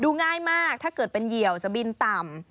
ง่ายมากถ้าเกิดเป็นเหยี่ยวจะบินต่ำ